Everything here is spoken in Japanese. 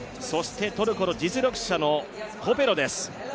トルコの実力者のコペロです